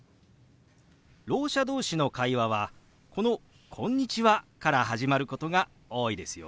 ろう者同士の会話はこの「こんにちは」から始まることが多いですよ。